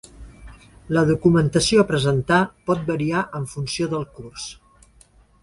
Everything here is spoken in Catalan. La documentació a presentar pot variar en funció del curs.